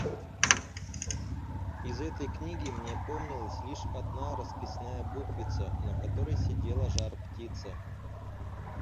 Из этой книги мне помнилась лишь одна расписная буквица, на которой сидела жар-птица.